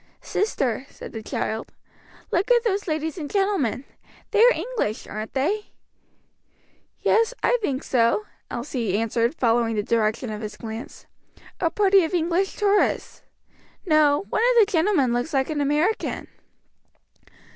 "Sister," said the child, "look at those ladies and gentlemen. They are English, aren't they?" "Yes; I think so," Elsie answered, following the direction of his glance; "a party of English tourists. No, one of the gentlemen looks like an American."